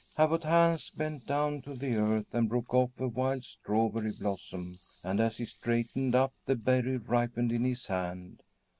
Abbot Hans bent down to the earth and broke off a wild strawberry blossom, and, as he straightened up, the berry ripened in his hand.